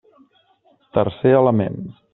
Tercer element.